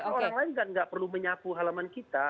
orang lain kan gak perlu menyapu halaman kita